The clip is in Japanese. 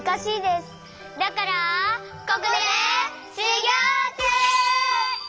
ここでしゅぎょうちゅう！